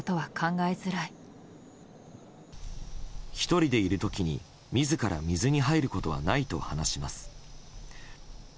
１人でいる時に自ら水に入ることはないと話します。